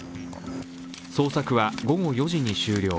捜索は午後４時に終了。